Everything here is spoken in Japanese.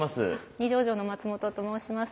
二条城の松本と申します。